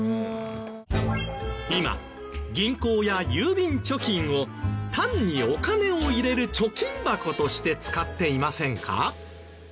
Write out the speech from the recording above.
今銀行や郵便貯金を単にお金を入れる貯金箱として使っていませんか？